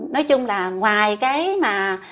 nói chung là ngoài cái mà